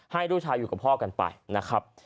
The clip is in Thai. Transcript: ให้ลูกชายอยู่กับพ่อกันไปนะครับ